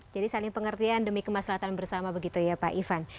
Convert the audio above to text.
jadi saling pengertian demi kemaslahan bersama begitu ya pak ivan